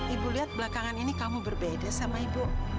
ibu lihat belakangan ini kamu berbeda sama ibu